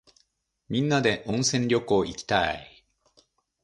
みんなで温泉旅行いきたい。